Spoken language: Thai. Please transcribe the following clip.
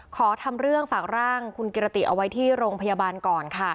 ขอทำเรื่องฝากร่างคุณกิรติเอาไว้ที่โรงพยาบาลก่อนค่ะ